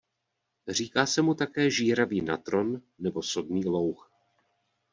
Říká se mu také žíravý natron nebo sodný louh.